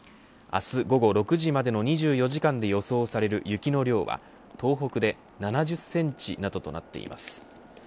明日午後６時までの２４時間で予想される雪の量は東北で７０センチなどとなっています。